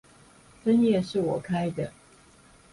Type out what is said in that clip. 分頁是我開的